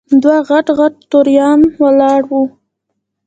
دوه غټ غټ توریان ولاړ وو.